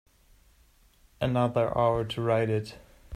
Another hour to write it.